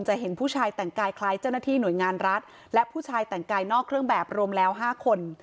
เห็นผู้ชายแต่งกายคล้ายเจ้าหน้าที่หน่วยงานรัฐและผู้ชายแต่งกายนอกเครื่องแบบรวมแล้ว๕คน